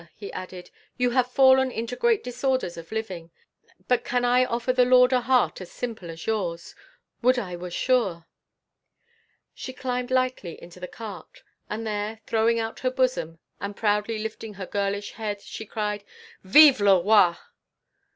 he added, "you have fallen into great disorders of living; but can I offer the Lord a heart as simple as yours? Would I were sure!" She climbed lightly into the cart. And there, throwing out her bosom and proudly lifting her girlish head, she cried "Vive le Roi!"